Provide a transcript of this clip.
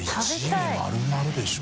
曳丸々でしょ？